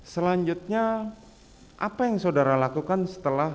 selanjutnya apa yang saudara lakukan setelah